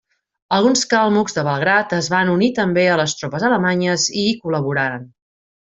Alguns calmucs de Belgrad es van unir també a les tropes alemanyes i hi col·laboraren.